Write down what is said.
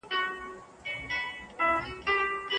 دا انفجارونه ډېر مضر شعاعونه خپروي.